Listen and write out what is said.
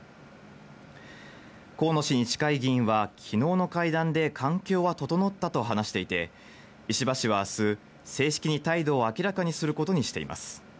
河野氏に近い議員は昨日の会談で環境は整ったと話していて、石破氏は明日、正式に態度を明らかにすることにしています。